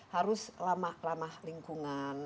harus lama lama lingkungan